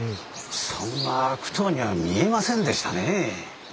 そんな悪党には見えませんでしたねぇ。